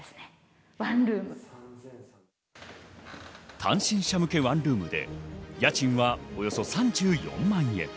単身者向けワンルームで家賃はおよそ３４万円。